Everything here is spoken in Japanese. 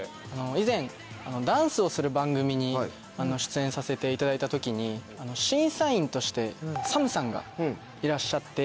以前ダンスをする番組に出演させていただいた時に審査員としてＳＡＭさんがいらっしゃって。